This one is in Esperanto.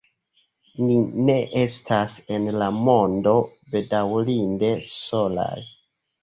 Ni ne estas en la mondo bedaŭrinde solaj!